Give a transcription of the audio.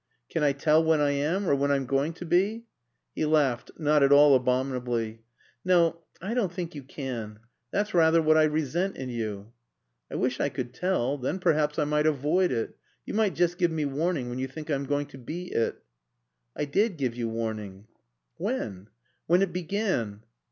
"Can I tell when I am? Or when I'm going to be?" He laughed (not at all abominably). "No. I don't think you can. That's rather what I resent in you." "I wish I could tell. Then perhaps I might avoid it. You might just give me warning when you think I'm going to be it." "I did give you warning." "When?" "When it began."